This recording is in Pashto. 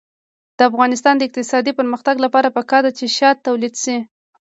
د افغانستان د اقتصادي پرمختګ لپاره پکار ده چې شات تولید شي.